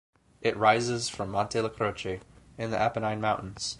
It rises from Monte la Croce in the Apennine Mountains.